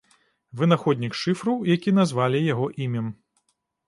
Вынаходнік шыфру, які назвалі яго імем.